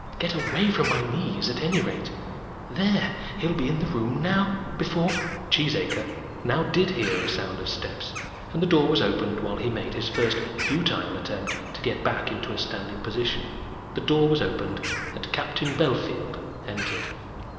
Get away from my knees, at any rate. There; he'll be in the room now before " [Illustration: Mr. Cheesacre disturbed.] Cheesacre now did hear a sound of steps, and the door was opened while he made his first futile attempt to get back to a standing position. The door was opened, and Captain Bellfield entered.